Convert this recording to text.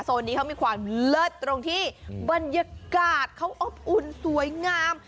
นี้เขามีความเลิศตรงที่บรรยากาศเขาอบอุ่นสวยงาม